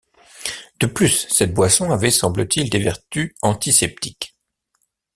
De plus, cette boisson avait semble-t-il des vertus antiseptiques.